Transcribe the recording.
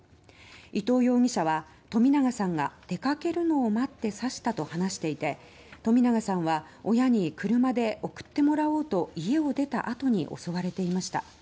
伊藤容疑者は冨永さんが出かけるのを待って刺したと話していて冨永さんは親に車で送ってもらおうと家を出た後に襲われていました。